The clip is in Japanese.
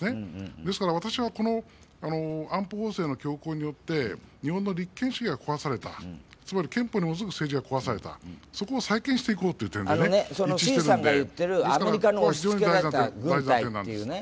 ですから安保法制の強行によって日本の立憲主義が壊されたつまり憲法に基づく政治が壊されたそこを再建していこうという点で一致しているので、ここは非常に大事な点なんです。